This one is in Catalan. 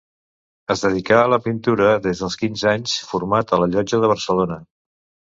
Es dedicà a la pintura des dels quinze anys, format a la Llotja de Barcelona.